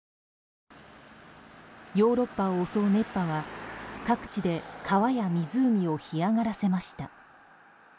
ヨーロッパを襲う熱波は各地で川や湖を干上がらせました。